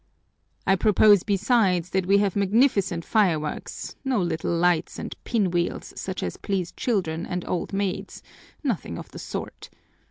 "I propose besides that we have magnificent fireworks; no little lights and pin wheels such as please children and old maids, nothing of the sort.